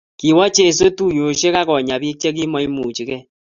Kiwo Jeso tuyosiek akonyaa biik che kimaimuchikei